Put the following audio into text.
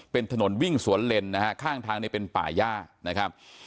เป็นถนนวิ่งสวนเลนนะฮะข้างทางเนี่ยเป็นป่าย่านะครับ